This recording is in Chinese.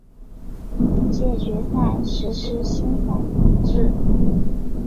本届决赛实施新赛制。